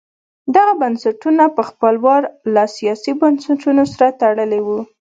دغه بنسټونه په خپل وار له سیاسي بنسټونو سره تړلي وو.